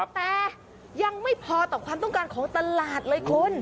แต่ยังไม่พอต่อความต้องการของตลาดเลยคุณ